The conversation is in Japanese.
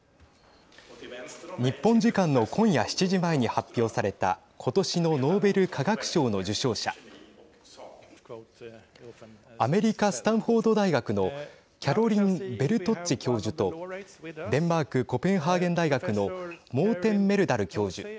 日本時間の今夜７時前に発表された今年のノーベル化学賞の受賞者アメリカ、スタンフォード大学のキャロリン・ベルトッツィ教授とデンマークコペンハーゲン大学のモーテン・メルダル教授